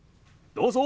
どうぞ！